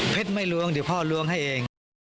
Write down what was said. ไม่ล้วงเดี๋ยวพ่อล้วงให้เอง